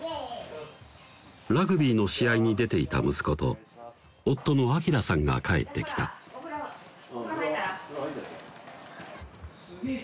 ラグビーの試合に出ていた息子と夫の明さんが帰ってきたお風呂お風呂入ったら？